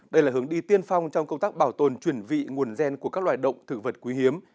đây là hướng đi tiên phong trong công tác bảo tồn chuyển vị nguồn gen của các loài động thực vật quý hiếm